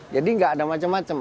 jadi nggak ada macam macam